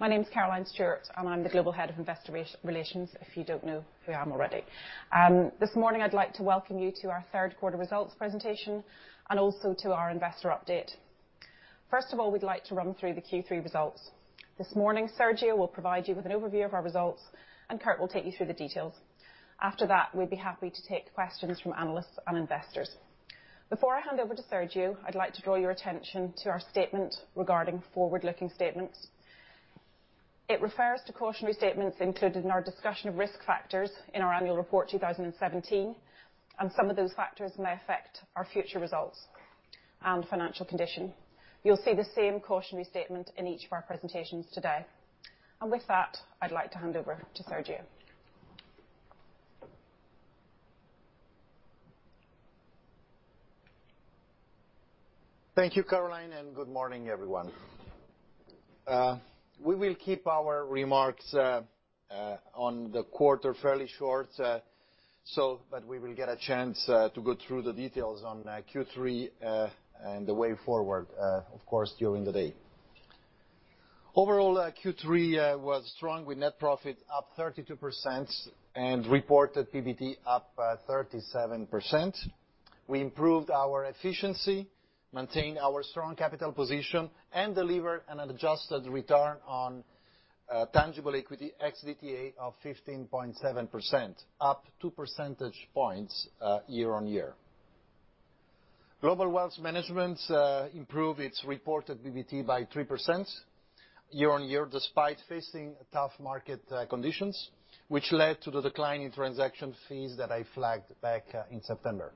My name is Caroline Stewart, and I am the Global Head of Investor Relations, if you do not know who I am already. This morning, I would like to welcome you to our third quarter results presentation and also to our investor update. First of all, we would like to run through the Q3 results. This morning, Sergio will provide you with an overview of our results, and Kirt will take you through the details. After that, we would be happy to take questions from analysts and investors. Before I hand over to Sergio, I would like to draw your attention to our statement regarding forward-looking statements. It refers to cautionary statements included in our discussion of risk factors in our annual report 2017, and some of those factors may affect our future results and financial condition. You will see the same cautionary statement in each of our presentations today. With that, I would like to hand over to Sergio. Thank you, Caroline. Good morning, everyone. We will keep our remarks on the quarter fairly short, but we will get a chance to go through the details on Q3 and the way forward, of course, during the day. Overall, Q3 was strong, with net profit up 32% and reported PBT up 37%. We improved our efficiency, maintained our strong capital position, and delivered an adjusted return on tangible equity ex-VTA of 15.7%, up two percentage points year on year. Global Wealth Management improved its reported PBT by 3% year on year, despite facing tough market conditions, which led to the decline in transaction fees that I flagged back in September.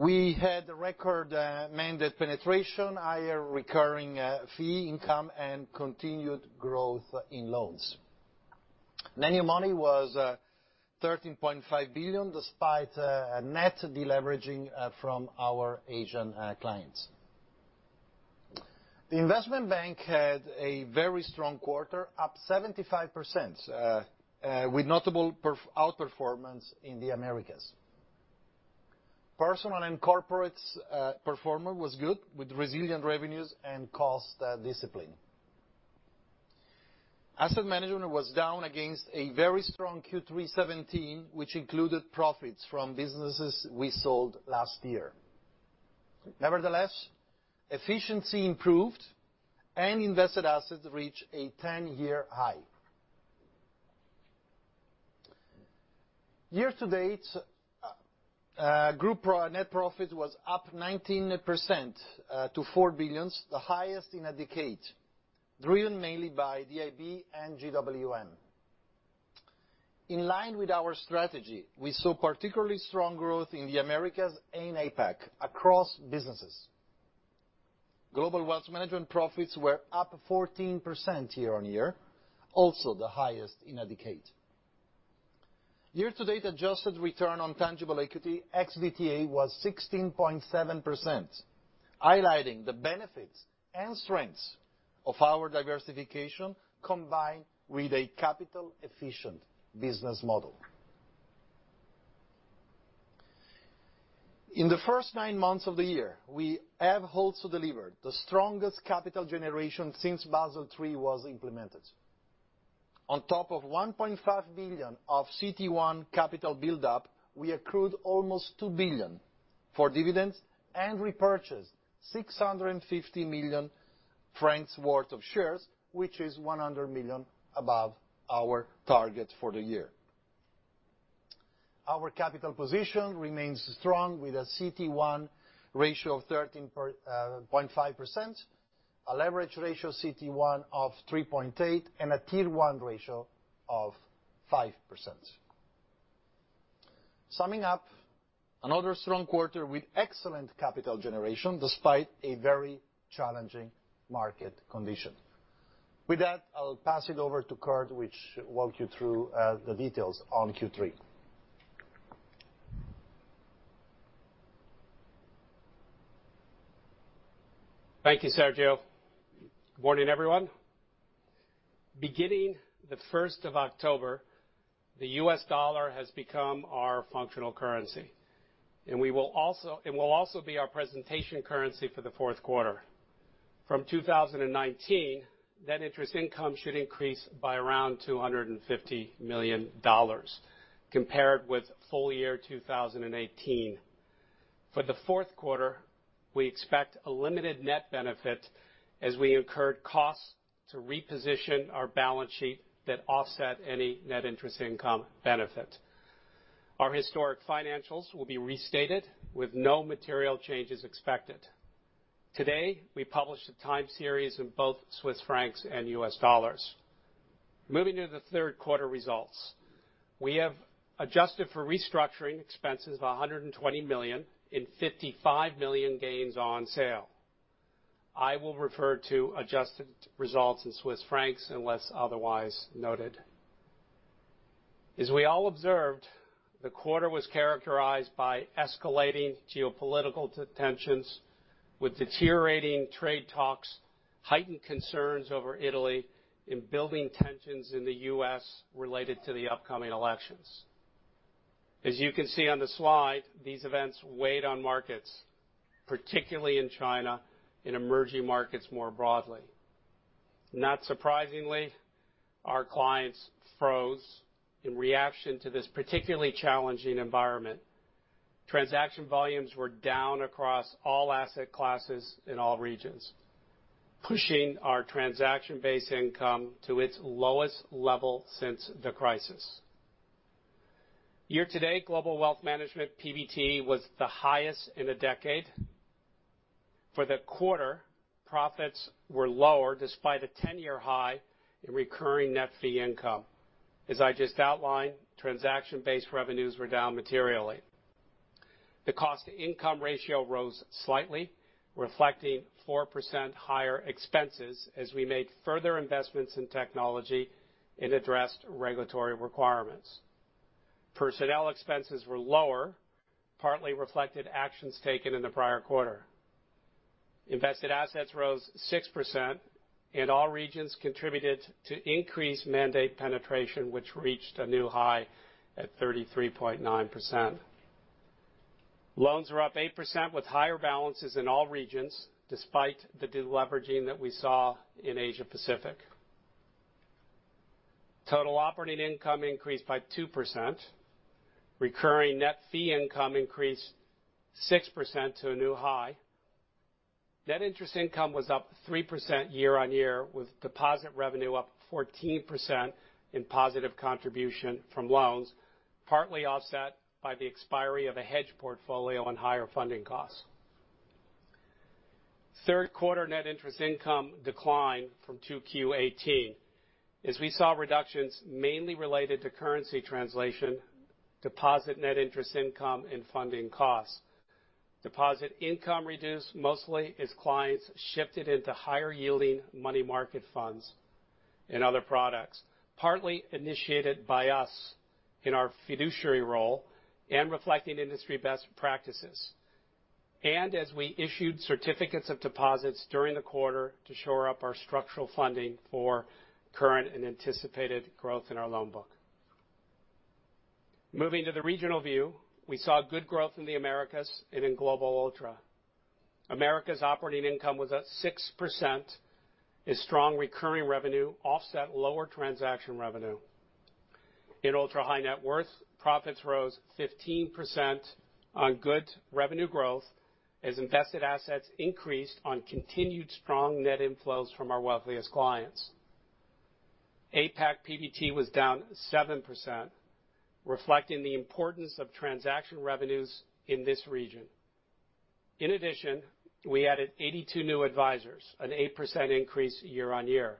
We had record mandate penetration, higher recurring fee income, and continued growth in loans. New money was 13.5 billion, despite a net deleveraging from our Asian clients. The Investment Bank had a very strong quarter, up 75%, with notable outperformance in the Americas. Personal and Corporate performance was good, with resilient revenues and cost discipline. Asset Management was down against a very strong Q3 2017, which included profits from businesses we sold last year. Nevertheless, efficiency improved, and invested assets reached a 10-year high. Year-to-date, group net profit was up 19% to 4 billion, the highest in a decade, driven mainly by the IB and GWM. In line with our strategy, we saw particularly strong growth in the Americas and APAC across businesses. Global Wealth Management profits were up 14% year on year, also the highest in a decade. Year-to-date adjusted return on tangible equity ex-VTA was 16.7%, highlighting the benefits and strengths of our diversification combined with a capital-efficient business model. In the first nine months of the year, we have also delivered the strongest capital generation since Basel III was implemented. On top of 1.5 billion of CET1 capital buildup, we accrued almost 2 billion for dividends and repurchased 650 million francs worth of shares, which is 100 million above our target for the year. Our capital position remains strong with a CET1 ratio of 13.5%, a leverage ratio CET1 of 3.8, and a Tier 1 ratio of 5%. Summing up, another strong quarter with excellent capital generation despite a very challenging market condition. With that, I'll pass it over to Kirt, which walk you through the details on Q3. Thank you, Sergio. Good morning, everyone. Beginning the 1st of October, the US dollar has become our functional currency. It will also be our presentation currency for the fourth quarter. From 2019, net interest income should increase by around $250 million compared with full year 2018. For the fourth quarter, we expect a limited net benefit as we incurred costs to reposition our balance sheet that offset any net interest income benefit. Our historic financials will be restated with no material changes expected. Today, we publish the time series in both Swiss francs and US dollars. Moving to the third quarter results. We have adjusted for restructuring expenses of 120 million and 55 million gains on sale. I will refer to adjusted results in Swiss francs unless otherwise noted. As we all observed, the quarter was characterized by escalating geopolitical tensions with deteriorating trade talks, heightened concerns over Italy, and building tensions in the U.S. related to the upcoming elections. As you can see on the slide, these events weighed on markets, particularly in China, in emerging markets more broadly. Not surprisingly, our clients froze in reaction to this particularly challenging environment. Transaction volumes were down across all asset classes in all regions, pushing our transaction-based income to its lowest level since the crisis. Year-to-date Global Wealth Management PBT was the highest in a decade. For the quarter, profits were lower despite a 10-year high in recurring net fee income. As I just outlined, transaction-based revenues were down materially. The cost-to-income ratio rose slightly, reflecting 4% higher expenses as we made further investments in technology and addressed regulatory requirements. Personnel expenses were lower, partly reflected actions taken in the prior quarter. Invested assets rose 6%, and all regions contributed to increased mandate penetration, which reached a new high at 33.9%. Loans were up 8% with higher balances in all regions, despite the de-leveraging that we saw in Asia Pacific. Total operating income increased by 2%. Recurring net fee income increased 6% to a new high. Net interest income was up 3% year-on-year, with deposit revenue up 14% in positive contribution from loans, partly offset by the expiry of a hedge portfolio on higher funding costs. Third quarter net interest income declined from 2Q18. As we saw reductions mainly related to currency translation, deposit net interest income, and funding costs. Deposit income reduced mostly as clients shifted into higher-yielding money market funds and other products, partly initiated by us in our fiduciary role and reflecting industry best practices. As we issued certificates of deposits during the quarter to shore up our structural funding for current and anticipated growth in our loan book. Moving to the regional view, we saw good growth in the Americas and in Global Ultra. Americas operating income was at 6% as strong recurring revenue offset lower transaction revenue. In Ultra High Net Worth, profits rose 15% on good revenue growth as invested assets increased on continued strong net inflows from our wealthiest clients. APAC PBT was down 7%, reflecting the importance of transaction revenues in this region. In addition, we added 82 new advisors, an 8% increase year-over-year.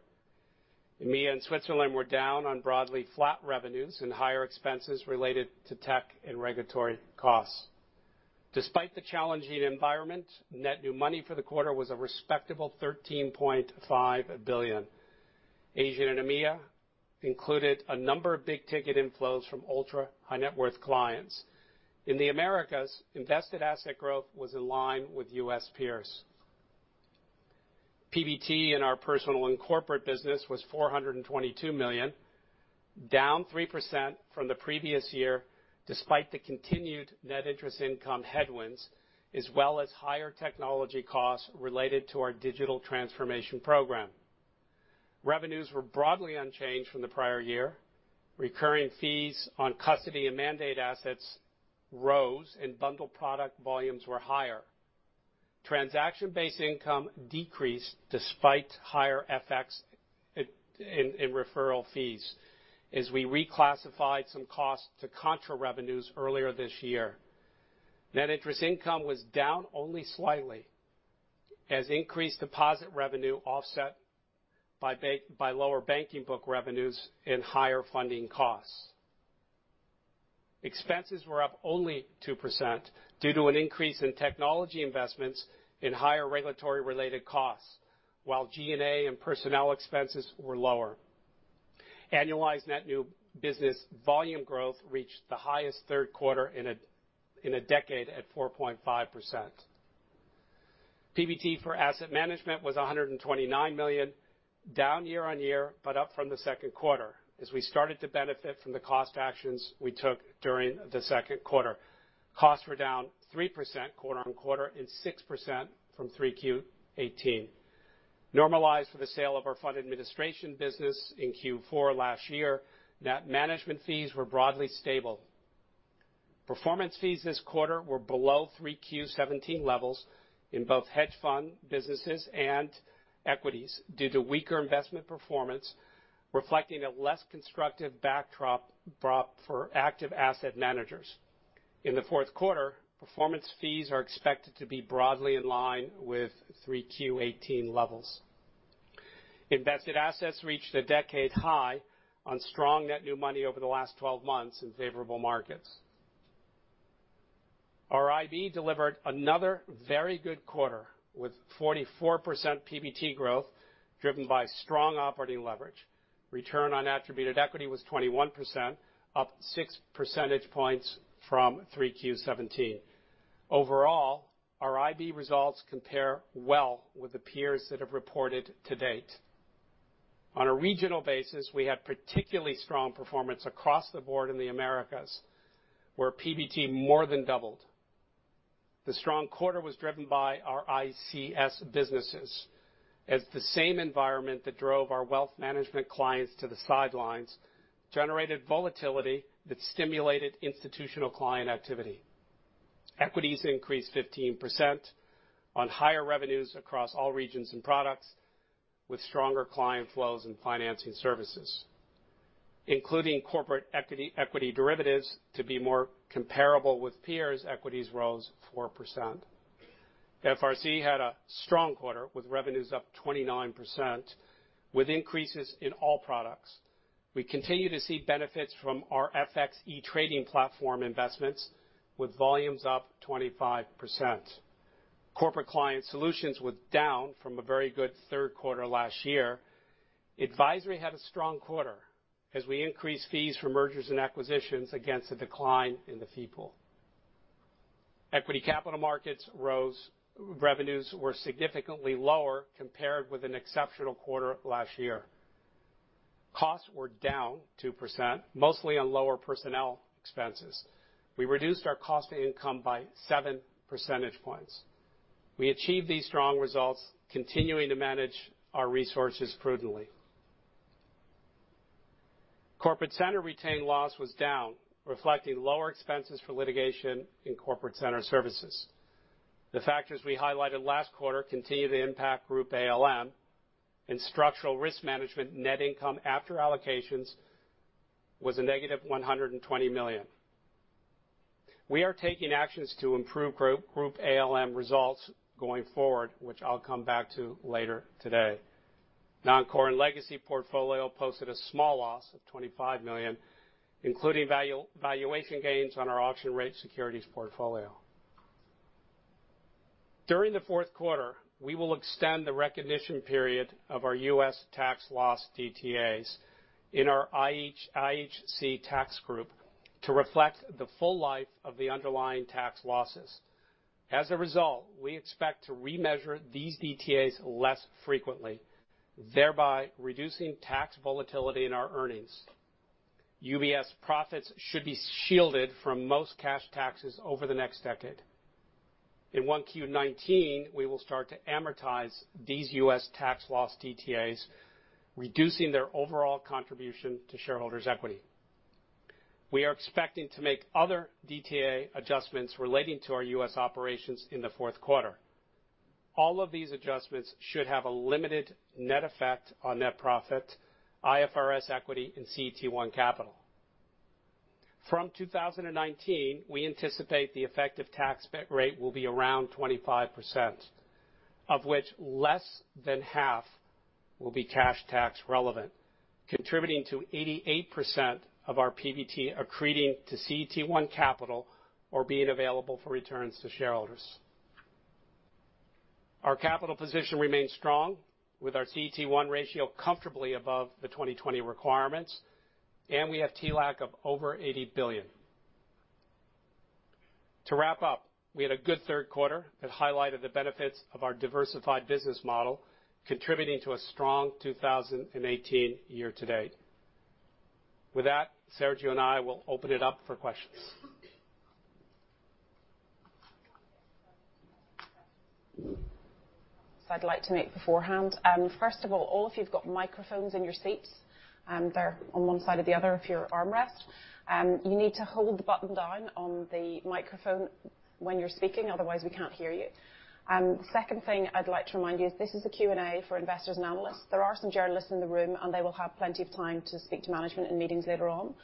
EMEA and Switzerland were down on broadly flat revenues and higher expenses related to tech and regulatory costs. Despite the challenging environment, net new money for the quarter was a respectable 13.5 billion. Asia and EMEA included a number of big-ticket inflows from ultra high net worth clients. In the Americas, invested asset growth was in line with U.S. peers. PBT in our Personal & Corporate Banking business was $422 million, down 3% from the previous year despite the continued net interest income headwinds, as well as higher technology costs related to our digital transformation program. Revenues were broadly unchanged from the prior year. Recurring fees on custody and mandate assets rose and bundle product volumes were higher. Transaction-based income decreased despite higher FX and referral fees as we reclassified some costs to contra revenues earlier this year. Net interest income was down only slightly as increased deposit revenue offset by lower banking book revenues and higher funding costs. Expenses were up only 2% due to an increase in technology investments in higher regulatory-related costs, while G&A and personnel expenses were lower. Annualized net new business volume growth reached the highest third quarter in a decade at 4.5%. PBT for Asset Management was $129 million, down year-over-year, but up from the second quarter as we started to benefit from the cost actions we took during the second quarter. Costs were down 3% quarter-over-quarter and 6% from 3Q18. Normalized for the sale of our fund administration business in Q4 last year, net management fees were broadly stable. Performance fees this quarter were below 3Q17 levels in both hedge fund businesses and equities due to weaker investment performance, reflecting a less constructive backdrop for active asset managers. In the fourth quarter, performance fees are expected to be broadly in line with 3Q18 levels. Invested assets reached a decade high on strong net new money over the last 12 months in favorable markets. Our IB delivered another very good quarter with 44% PBT growth, driven by strong operating leverage. Return on attributed equity was 21%, up six percentage points from 3Q17. Overall, our IB results compare well with the peers that have reported to date. On a regional basis, we had particularly strong performance across the board in the Americas, where PBT more than doubled. The strong quarter was driven by our ICS businesses, as the same environment that drove our wealth management clients to the sidelines generated volatility that stimulated institutional client activity. Equities increased 15% on higher revenues across all regions and products, with stronger client flows and financing services. Including corporate equity derivatives to be more comparable with peers, equities rose 4%. FRC had a strong quarter, with revenues up 29%, with increases in all products. We continue to see benefits from our FX e-trading platform investments, with volumes up 25%. Corporate Client Solutions was down from a very good third quarter last year. Advisory had a strong quarter as we increased fees for mergers and acquisitions against a decline in the fee pool. Equity Capital Markets rose. Revenues were significantly lower compared with an exceptional quarter last year. Costs were down 2%, mostly on lower personnel expenses. We reduced our cost-to-income by seven percentage points. We achieved these strong results, continuing to manage our resources prudently. Corporate Center retained loss was down, reflecting lower expenses for litigation in Corporate Center services. The factors we highlighted last quarter continue to impact Group ALM, and structural risk management net income after allocations was a negative 120 million. We are taking actions to improve Group ALM results going forward, which I'll come back to later today. Non-core and Legacy portfolio posted a small loss of 25 million, including valuation gains on our auction-rate securities portfolio. During the fourth quarter, we will extend the recognition period of our U.S. tax loss DTAs in our IHC tax group to reflect the full life of the underlying tax losses. As a result, we expect to remeasure these DTAs less frequently, thereby reducing tax volatility in our earnings. UBS profits should be shielded from most cash taxes over the next decade. In 1Q19, we will start to amortize these U.S. tax loss DTAs, reducing their overall contribution to shareholders' equity. We are expecting to make other DTA adjustments relating to our U.S. operations in the fourth quarter. All of these adjustments should have a limited net effect on net profit, IFRS equity, and CET1 capital. From 2019, we anticipate the effective tax rate will be around 25%, of which less than half will be cash tax relevant, contributing to 88% of our PBT accreting to CET1 capital or being available for returns to shareholders. Our capital position remains strong, with our CET1 ratio comfortably above the 2020 requirements, and we have TLAC of over 80 billion. To wrap up, we had a good third quarter that highlighted the benefits of our diversified business model, contributing to a strong 2018 year-to-date. With that, Sergio and I will open it up for questions. Some I'd like to make beforehand. First of all of you have got microphones in your seats. They're on one side or the other of your armrest. You need to hold the button down on the microphone when you're speaking, otherwise we can't hear you. Second thing I'd like to remind you is this is a Q&A for investors and analysts. There are some journalists in the room, and they will have plenty of time to speak to management in meetings later on.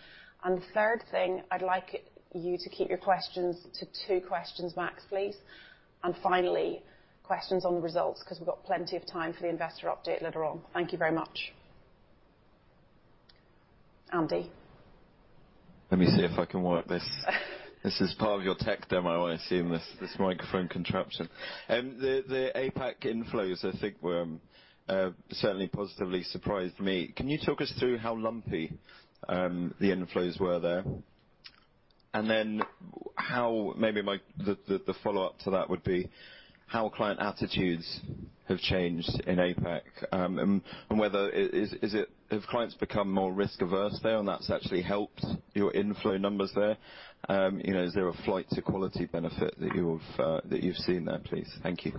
The third thing, I'd like you to keep your questions to two questions max, please. Finally, questions on the results, because we've got plenty of time for the investor update later on. Thank you very much. Andy. Let me see if I can work this. This is part of your tech demo I see, this microphone contraption. The APAC inflows, I think, certainly positively surprised me. Can you talk us through how lumpy the inflows were there? Maybe the follow-up to that would be how client attitudes have changed in APAC, and have clients become more risk averse there and that's actually helped your inflow numbers there? Is there a flight to quality benefit that you've seen there, please? Thank you.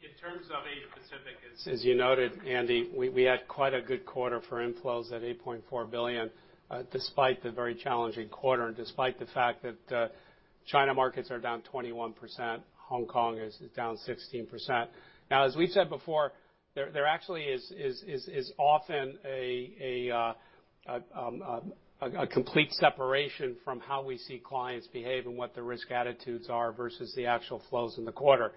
In terms of Asia Pacific, as you noted, Andy, we had quite a good quarter for inflows at 8.4 billion, despite the very challenging quarter and despite the fact that China markets are down 21%, Hong Kong is down 16%. As we've said before, there actually is often a complete separation from how we see clients behave and what their risk attitudes are versus the actual flows in the quarter.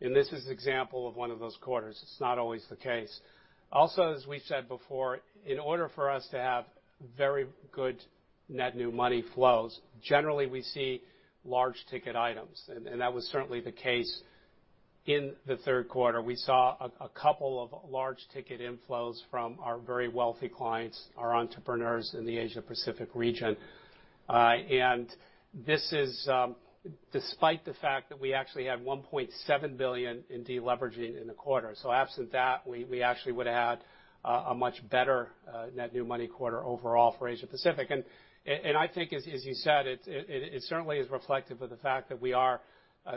This is an example of one of those quarters. It's not always the case. As we said before, in order for us to have very good net new money flows, generally we see large ticket items. That was certainly the case. In the third quarter, we saw a couple of large-ticket inflows from our very wealthy clients, our entrepreneurs in the Asia-Pacific region. This is despite the fact that we actually had 1.7 billion in deleveraging in the quarter. Absent that, we actually would've had a much better net new money quarter overall for Asia-Pacific. I think as you said, it certainly is reflective of the fact that we are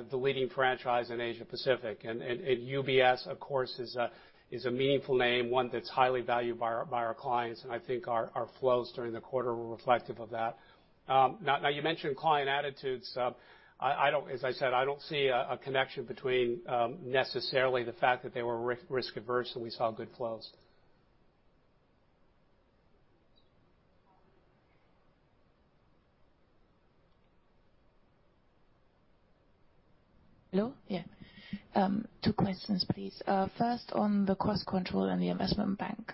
the leading franchise in Asia-Pacific. UBS, of course, is a meaningful name, one that's highly valued by our clients, and I think our flows during the quarter were reflective of that. You mentioned client attitudes. As I said, I don't see a connection between necessarily the fact that they were risk-averse and we saw good flows. Hello? Yeah. Two questions, please. First, on the cost control and the Investment Bank.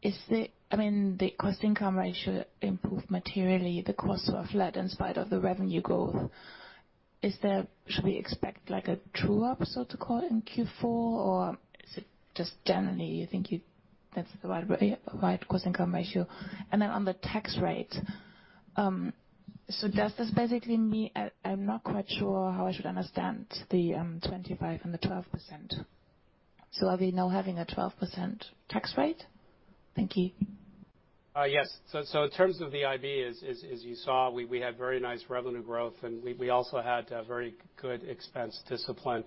The cost-income ratio improved materially. The costs are flat in spite of the revenue growth. Should we expect like a true-up, so to call, in Q4, or is it just generally you think that's the right cost-income ratio? On the tax rate. Does this basically mean, I'm not quite sure how I should understand the 25% and the 12%? Are we now having a 12% tax rate? Thank you. In terms of the IB, as you saw, we had very nice revenue growth, and we also had very good expense discipline.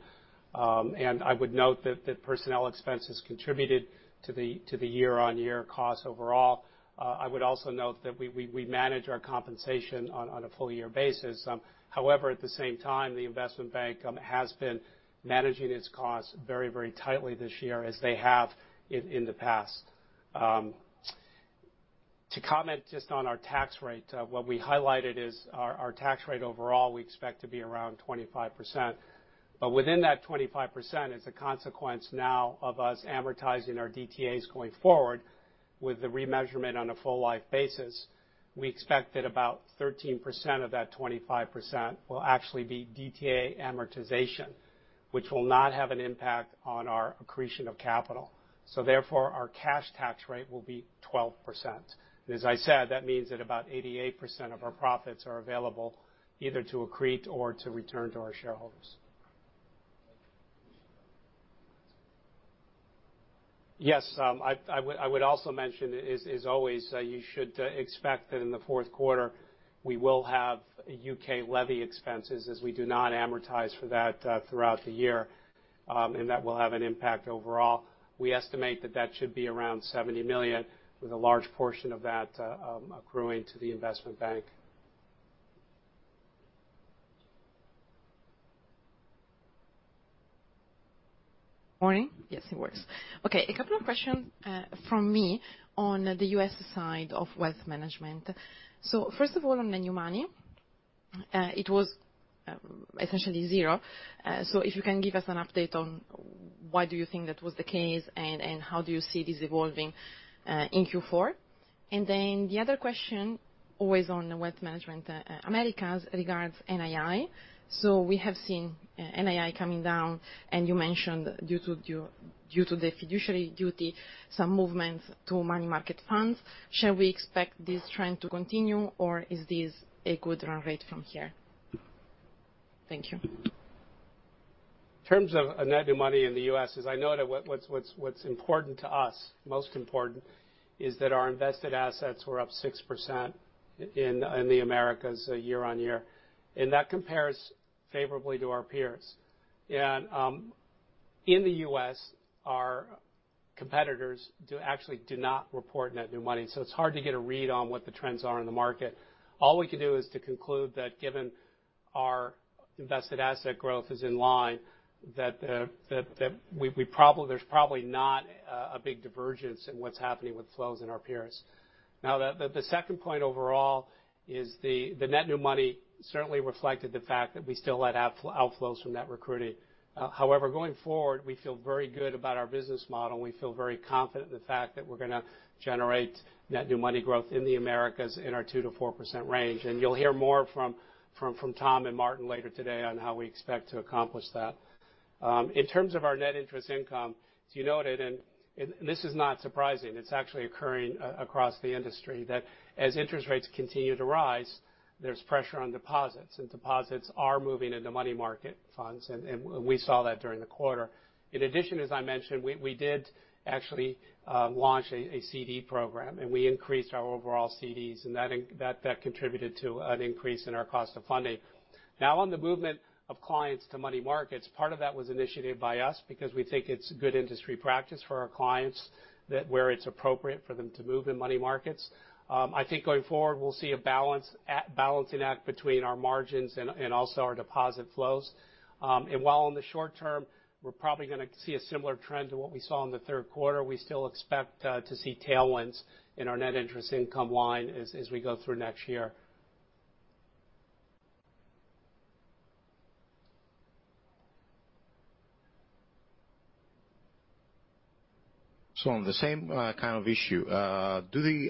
I would note that personnel expenses contributed to the year-on-year cost overall. I would also note that we manage our compensation on a full-year basis. At the same time, the Investment Bank has been managing its costs very tightly this year as they have in the past. To comment just on our tax rate, what we highlighted is our tax rate overall, we expect to be around 25%. Within that 25% as a consequence now of us amortizing our DTAs going forward with the remeasurement on a full life basis, we expect that about 13% of that 25% will actually be DTA amortization, which will not have an impact on our accretion of capital. Therefore, our cash tax rate will be 12%. As I said, that means that about 88% of our profits are available either to accrete or to return to our shareholders. I would also mention, as always, you should expect that in the fourth quarter, we will have U.K. levy expenses as we do not amortize for that throughout the year, and that will have an impact overall. We estimate that that should be around $70 million, with a large portion of that accruing to the investment bank. Morning. A couple of questions from me on the U.S. side of wealth management. First of all, on the new money, it was essentially zero. If you can give us an update on why do you think that was the case, and how do you see this evolving in Q4? The other question, always on the Wealth Management Americas, regards NII. We have seen NII coming down, and you mentioned due to the fiduciary duty, some movement to money market funds. Shall we expect this trend to continue, or is this a good run rate from here? Thank you. In terms of net new money in the U.S., as I noted, what's important to us, most important, is that our invested assets were up 6% in the Americas year-on-year, and that compares favorably to our peers. In the U.S., our competitors actually do not report net new money, so it's hard to get a read on what the trends are in the market. All we can do is to conclude that given our invested asset growth is in line, that there's probably not a big divergence in what's happening with flows in our peers. The second point overall is the net new money certainly reflected the fact that we still had outflows from that recruiting. However, going forward, we feel very good about our business model, and we feel very confident in the fact that we're going to generate net new money growth in the Americas in our 2%-4% range. You'll hear more from Tom and Martin later today on how we expect to accomplish that. In terms of our net interest income, as you noted, and this is not surprising, it's actually occurring across the industry, that as interest rates continue to rise, there's pressure on deposits, and deposits are moving into money market funds, and we saw that during the quarter. In addition, as I mentioned, we did actually launch a CD program, and we increased our overall CDs, and that contributed to an increase in our cost of funding. On the movement of clients to money markets, part of that was initiated by us because we think it's good industry practice for our clients that where it's appropriate for them to move in money markets. I think going forward, we'll see a balancing act between our margins and also our deposit flows. While in the short term, we're probably going to see a similar trend to what we saw in the third quarter, we still expect to see tailwinds in our net interest income line as we go through next year. On the same kind of issue, do the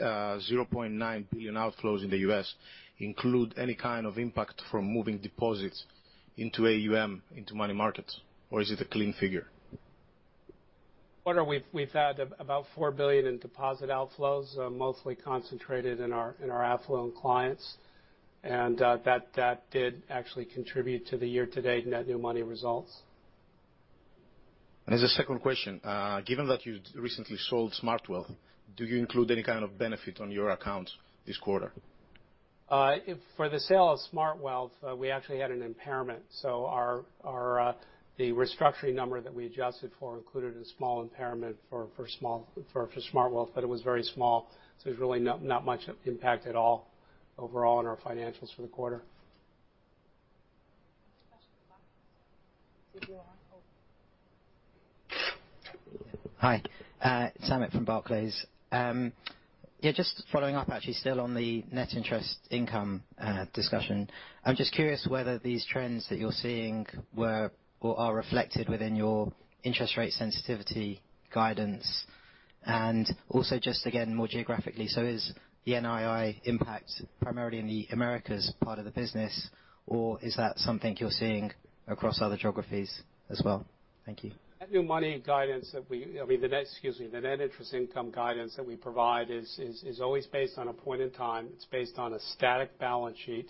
0.9 billion outflows in the U.S. include any kind of impact from moving deposits into AUM, into money markets, or is it a clean figure? What we've had about $4 billion in deposit outflows, mostly concentrated in our affluent clients, and that did actually contribute to the year-to-date net new money results. As a second question, given that you recently sold SmartWealth, do you include any kind of benefit on your accounts this quarter? For the sale of SmartWealth, we actually had an impairment, so the restructuring number that we adjusted for included a small impairment for SmartWealth, but it was very small, so there's really not much impact at all overall on our financials for the quarter. Question at the back. Hi, Amit from Barclays. Just following up actually, still on the net interest income discussion. I'm just curious whether these trends that you're seeing were or are reflected within your interest rate sensitivity guidance and also just again, more geographically. Is the NII impact primarily in the Americas part of the business, or is that something you're seeing across other geographies as well? Thank you. The net interest income guidance that we provide is always based on a point in time. It's based on a static balance sheet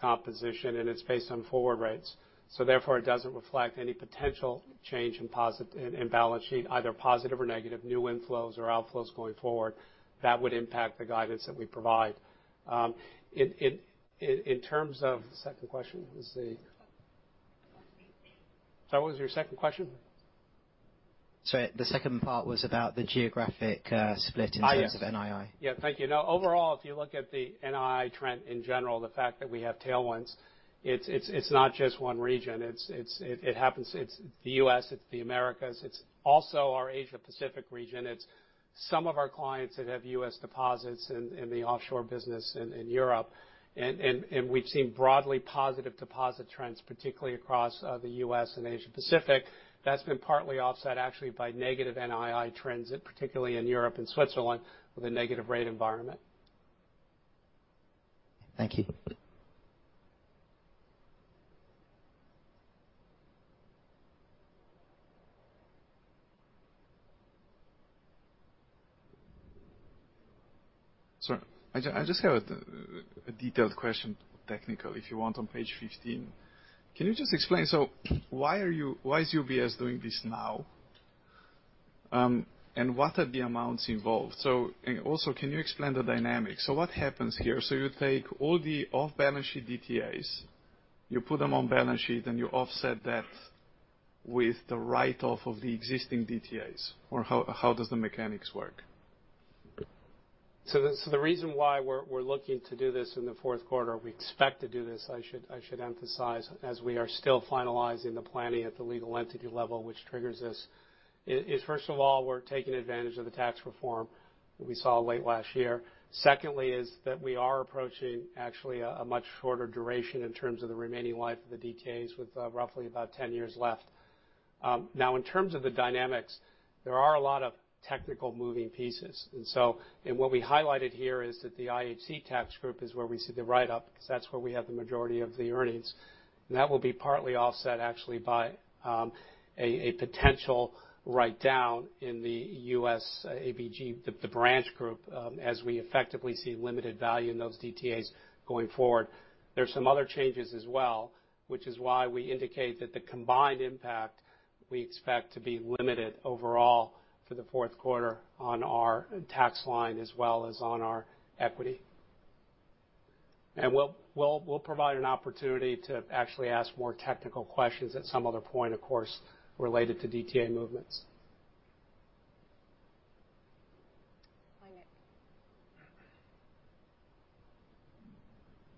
composition, and it's based on forward rates. Therefore, it doesn't reflect any potential change in balance sheet, either positive or negative, new inflows or outflows going forward. That would impact the guidance that we provide. In terms of the second question. Sorry, what was your second question? Sorry. The second part was about the geographic split- NII in terms of NII. Yeah. Thank you. Overall, if you look at the NII trend in general, the fact that we have tailwinds, it's not just one region. It's the U.S., it's the Americas. It's also our Asia Pacific region. It's some of our clients that have U.S. deposits in the offshore business in Europe. We've seen broadly positive deposit trends, particularly across the U.S. and Asia Pacific. That's been partly offset actually by negative NII trends, particularly in Europe and Switzerland, with a negative rate environment. Thank you. Sir, I just have a detailed question, technical, if you want, on page 15. Why is UBS doing this now? What are the amounts involved? Also, can you explain the dynamics? What happens here? You take all the off-balance-sheet DTAs, you put them on-balance sheet, and you offset that with the write-off of the existing DTAs. How does the mechanics work? The reason why we're looking to do this in the fourth quarter, we expect to do this, I should emphasize, as we are still finalizing the planning at the legal entity level, which triggers this, is first of all, we're taking advantage of the tax reform that we saw late last year. Secondly is that we are approaching actually a much shorter duration in terms of the remaining life of the DTAs, with roughly about 10 years left. In terms of the dynamics, there are a lot of technical moving pieces. What we highlighted here is that the IHC tax group is where we see the write-up, because that's where we have the majority of the earnings. That will be partly offset actually by a potential write-down in the U.S. ABG, the branch group, as we effectively see limited value in those DTAs going forward. There's some other changes as well, which is why we indicate that the combined impact we expect to be limited overall for the fourth quarter on our tax line, as well as on our equity. We'll provide an opportunity to actually ask more technical questions at some other point, of course, related to DTA movements.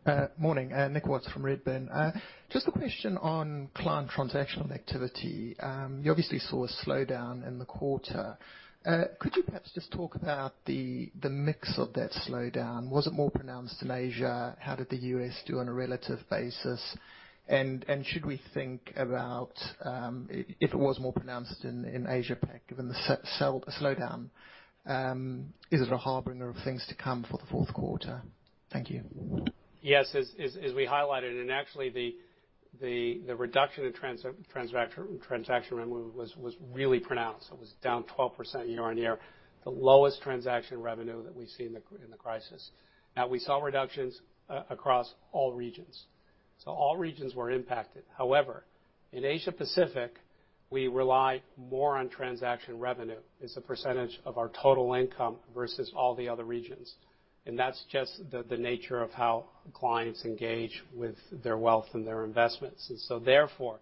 Hi, Nick. Morning. Nick Watts from Redburn. Just a question on client transactional activity. You obviously saw a slowdown in the quarter. Could you perhaps just talk about the mix of that slowdown? Was it more pronounced in Asia? How did the U.S. do on a relative basis? Should we think about, if it was more pronounced in Asia Pac, given the slowdown, is it a harbinger of things to come for the fourth quarter? Thank you. Yes. As we highlighted, actually the reduction in transaction revenue was really pronounced. It was down 12% year-on-year, the lowest transaction revenue that we've seen in the crisis. We saw reductions across all regions. All regions were impacted. However, in Asia Pacific, we rely more on transaction revenue as a percentage of our total income versus all the other regions. That's just the nature of how clients engage with their wealth and their investments. Therefore,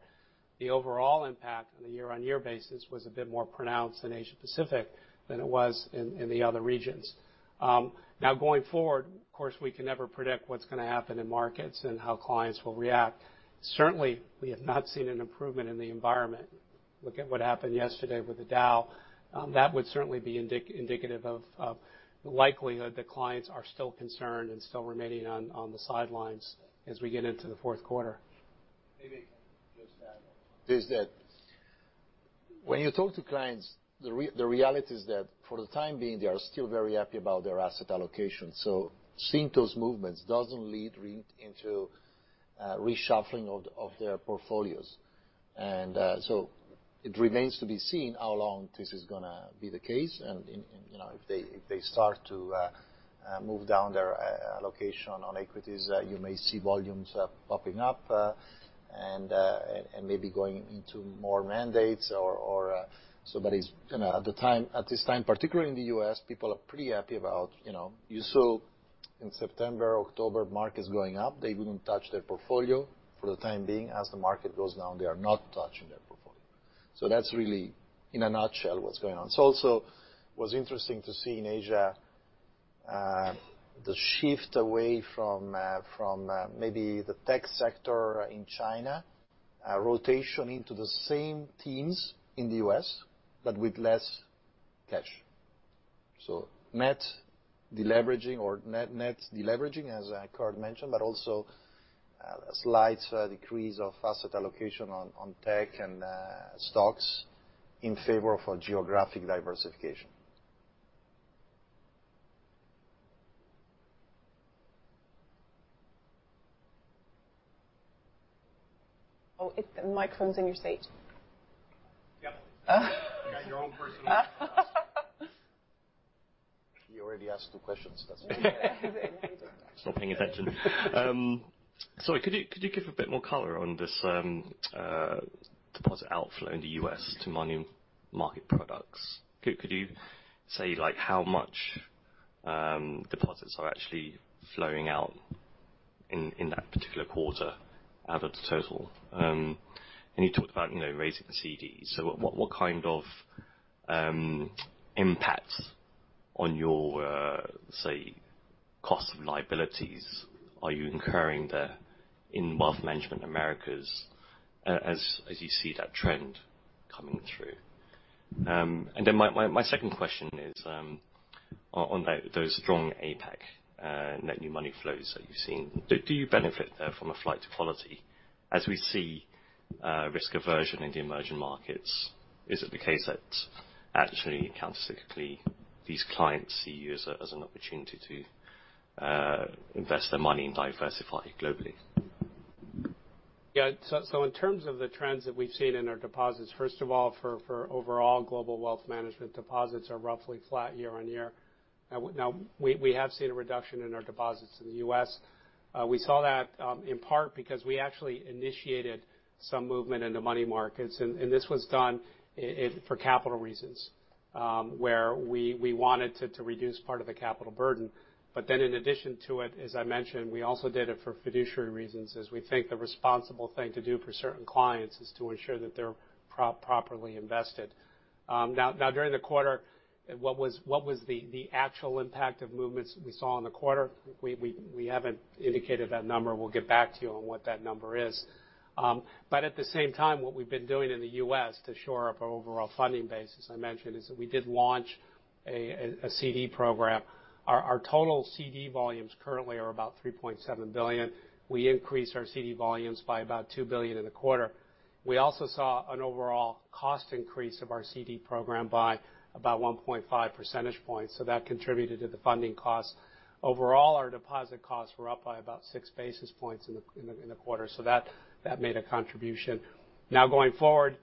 the overall impact on a year-on-year basis was a bit more pronounced in Asia Pacific than it was in the other regions. Going forward, of course, we can never predict what's going to happen in markets and how clients will react. Certainly, we have not seen an improvement in the environment. Look at what happened yesterday with the Dow. That would certainly be indicative of the likelihood that clients are still concerned and still remaining on the sidelines as we get into the fourth quarter. David. Is that when you talk to clients, the reality is that for the time being, they are still very happy about their asset allocation. Seeing those movements doesn't lead into reshuffling of their portfolios. It remains to be seen how long this is going to be the case. If they start to move down their allocation on equities, you may see volumes popping up, and maybe going into more mandates or so. At this time, particularly in the U.S., people are pretty happy about You saw in September, October markets going up. They wouldn't touch their portfolio for the time being. As the market goes down, they are not touching their portfolio. That's really, in a nutshell, what's going on. It's also was interesting to see in Asia, the shift away from maybe the tech sector in China, a rotation into the same teams in the U.S., but with less cash. Net de-leveraging or net-net de-leveraging, as Kirt mentioned, but also a slight decrease of asset allocation on tech and stocks in favor of a geographic diversification. Oh, the microphone's in your seat. Yep. You got your own personal microphone. He already asked two questions, that's why. Yeah. I was not paying attention. Sorry, could you give a bit more color on this deposit outflow in the U.S. to money market products? Could you say how much deposits are actually flowing out in that particular quarter out of the total? You talked about raising the CDs. What kind of impacts on your, say, cost of liabilities are you incurring there in Wealth Management Americas as you see that trend coming through? My second question is on those strong APAC, net new money flows that you're seeing. Do you benefit there from a flight to quality? As we see risk aversion in the emerging markets, is it the case that actually countercyclically these clients see you as an opportunity to invest their money and diversify globally? In terms of the trends that we've seen in our deposits, first of all, for overall Global Wealth Management deposits are roughly flat year-over-year. We have seen a reduction in our deposits in the U.S. We saw that in part because we actually initiated some movement in the money markets, this was done for capital reasons, where we wanted to reduce part of the capital burden. In addition to it, as I mentioned, we also did it for fiduciary reasons, as we think the responsible thing to do for certain clients is to ensure that they're properly invested. During the quarter, what was the actual impact of movements we saw in the quarter? We haven't indicated that number. We'll get back to you on what that number is. At the same time, what we've been doing in the U.S. to shore up our overall funding base, as I mentioned, is that we did launch a CD program. Our total CD volumes currently are about 3.7 billion. We increased our CD volumes by about 2 billion in the quarter. We also saw an overall cost increase of our CD program by about 1.5 percentage points. That contributed to the funding cost. Overall, our deposit costs were up by about six basis points in the quarter. That made a contribution. Going forward,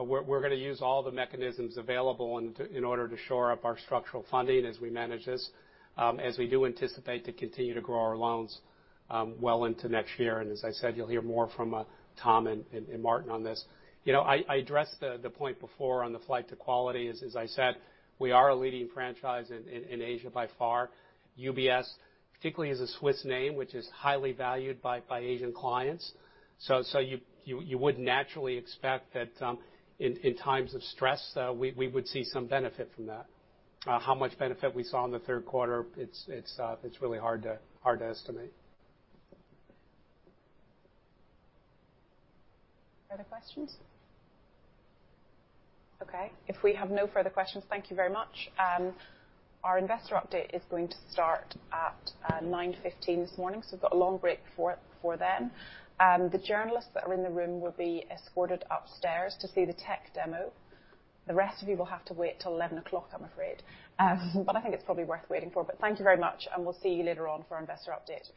we're going to use all the mechanisms available in order to shore up our structural funding as we manage this, as we do anticipate to continue to grow our loans well into next year. As I said, you'll hear more from Tom and Martin on this. I addressed the point before on the flight to quality. As I said, we are a leading franchise in Asia by far. UBS, particularly as a Swiss name, which is highly valued by Asian clients. You would naturally expect that in times of stress, we would see some benefit from that. How much benefit we saw in the third quarter, it's really hard to estimate. Further questions? Okay. If we have no further questions, thank you very much. Our investor update is going to start at 9:15 A.M. this morning. We've got a long break before then. The journalists that are in the room will be escorted upstairs to see the tech demo. The rest of you will have to wait till 11:00 A.M., I'm afraid. I think it's probably worth waiting for. Thank you very much, and we'll see you later on for our investor update.